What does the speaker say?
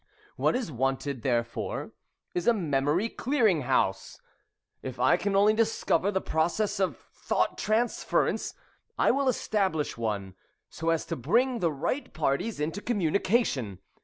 What is wanted, therefore, is a Memory Clearing House. If I can only discover the process of thought transference, I will establish one, so as to bring the right parties into communication.